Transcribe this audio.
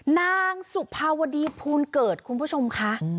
นางสุภาวดีภูลเกิดคุณผู้ชมค่ะ